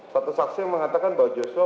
satu saksi yang mengatakan bahwa joshua